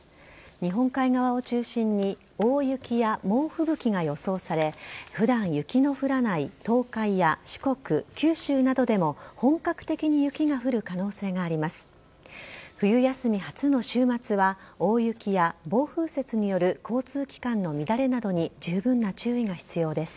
日本海側を中心に、大雪や猛吹雪が予想され、ふだん雪の降らない東海や四国、九州などでも本格的に雪が降る可能性があります。